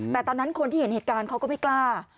แต่ตอนนั้นคนที่เห็นเหตุการณ์เขาก็ไม่กล้า